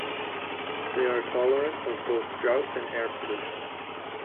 They are tolerant of both drought and air pollution.